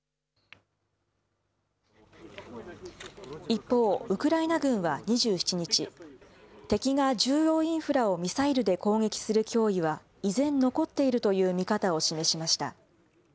一方、ウクライナ軍は２７日、敵が重要インフラをミサイルで攻撃する脅威は依然残っているという見方を示しました。